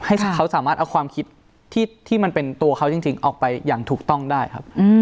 เขาสามารถเอาความคิดที่มันเป็นตัวเขาจริงออกไปอย่างถูกต้องได้ครับ